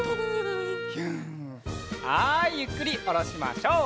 はいゆっくりおろしましょう。